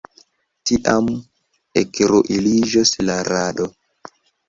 Tiam ekruliĝos la rado.